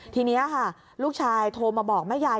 ทีนี้ค่ะลูกชายโทรมาบอกแม่ยาย